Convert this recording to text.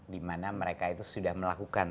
dimana mereka itu sudah melakukan